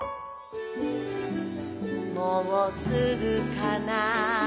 「もうすぐかな？」